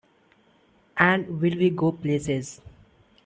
And will we go places!